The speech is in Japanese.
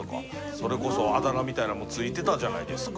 それこそあだ名みたいなのも付いてたじゃないですか。